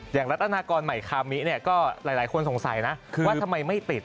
รัฐนากรใหม่คามิเนี่ยก็หลายคนสงสัยนะว่าทำไมไม่ติด